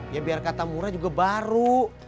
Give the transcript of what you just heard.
ya biar kata murah juga baru